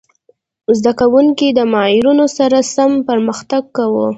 زده کوونکي د معیارونو سره سم پرمختګ کاوه.